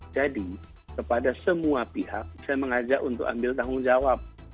jadi kepada semua pihak saya mengajak untuk ambil tanggung jawab